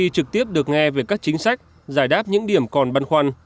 trực tiếp được nghe về các chính sách giải đáp những điểm còn băn khoăn